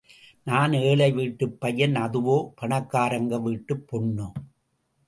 நான் ஏழை வீட்டுப் பையன் அதுவோ பணக்கராங்க வீட்டுப் பொண்ணு!